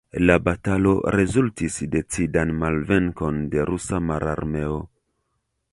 La batalo rezultis decidan malvenkon de la Rusa Mararmeo.